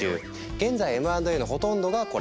現在Ｍ＆Ａのほとんどがこれ。